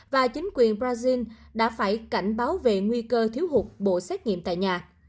và chính quyền brazil đã phải cảnh báo về nguy cơ thiếu hụt bộ xét nghiệm tại nhà